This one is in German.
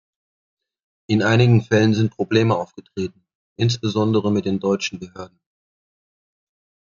In einigen Fällen sind Probleme aufgetreten, insbesondere mit den deutschen Behörden.